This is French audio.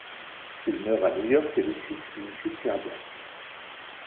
Il meurt à New York des suites d'une crise cardiaque.